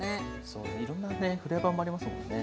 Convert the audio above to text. そういろんなねフレーバーもありますもんね。